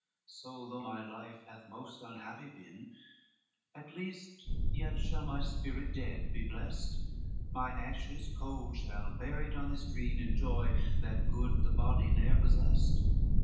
XXII "So, though my life hath most unhappy been, At least yet shall my spirit dead be blest, My ashes cold shall, buried on this green, Enjoy that good this body ne'er possessed."